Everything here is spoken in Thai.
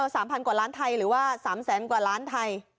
สามพันกว่าล้านไทยหรือว่าสามแสนกว่าล้านไทย